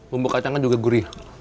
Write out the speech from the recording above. bumbu kacangnya juga gurih